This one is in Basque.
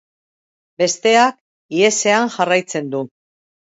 Besteak ihesean jarraitzen du.